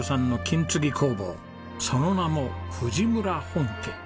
その名も藤村本家。